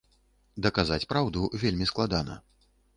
Даказаць праўду вельмі складана.